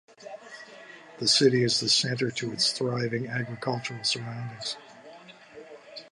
The city is the centre to its thriving agricultural surroundings.